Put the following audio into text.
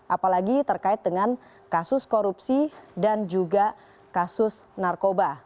apalagi terkait dengan kasus korupsi dan juga kasus narkoba